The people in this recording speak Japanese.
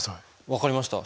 分かりました。